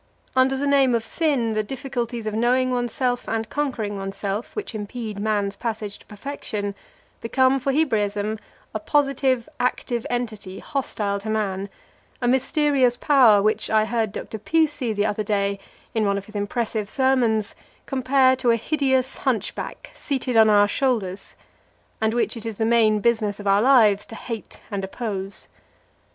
Under the name of sin, the difficulties of knowing oneself and conquering oneself which impede man's passage to perfection, become, for Hebraism, a positive, active entity hostile to man, a mysterious power which I heard Dr. Pusey the other day, in one of his impressive sermons, compare to a hideous hunchback seated on our shoulders, and which it is the main business of our lives to hate and oppose.